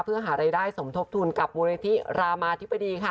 เพื่อหารายได้สมทบทุนกับมูลนิธิรามาธิบดีค่ะ